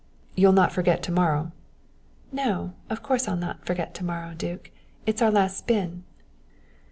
"You'll not forget to morrow?" "No, of course I'll not forget to morrow, duke it's our last spin."